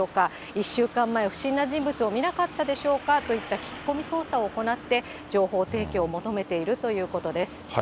１週間前、不審な人物を見なかったでしょうかといった聞き込み捜査を行って、情報提供を求めているということです。